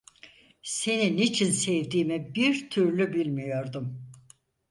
Seni niçin sevdiğimi bir türlü bilmiyordum.